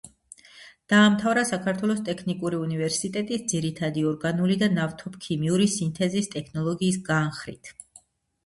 დაამთავრა საქართველოს ტექნიკური უნივერსიტეტი ძირითადი ორგანული და ნავთობქიმიური სინთეზის ტექნოლოგიის განხრით.